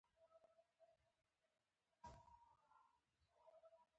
بنسټيزه موخه يې په مهمو چارو کې د ښځو ونډه وه